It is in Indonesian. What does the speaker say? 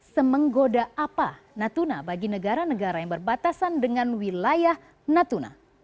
semenggoda apa natuna bagi negara negara yang berbatasan dengan wilayah natuna